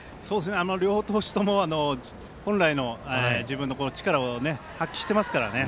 両投手とも本来の自分の力を発揮していますからね。